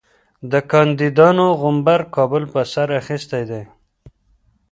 د کاندیدانو غومبر کابل پر سر اخیستی دی.